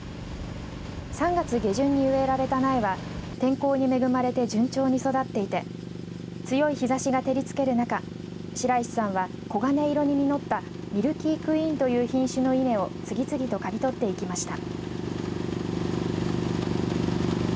３月下旬に植えられた苗は天候に恵まれて順調に育っていて強い日ざしが照りつける中白石さんは黄金色に実ったミルキークイーンという品種の稲を次々と刈り取っていました。